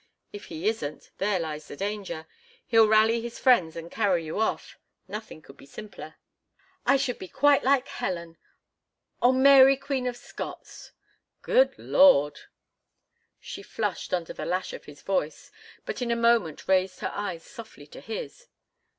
If he isn't—there lies the danger. He'll rally his friends and carry you off. Nothing could be simpler." "I should be quite like Helen—or Mary, Queen of Scots!" "Good Lord!" She flushed under the lash of his voice, but in a moment raised her eyes softly to his.